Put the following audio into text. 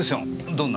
どんな？